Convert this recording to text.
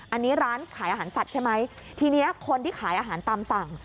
อันนี้ร้านขายอาหารสัตว์ใช่ไหมทีนี้คนที่ขายอาหารตามสั่ง